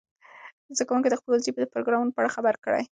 زده کوونکي د ښوونځي د پروګرامونو په اړه خبر دي.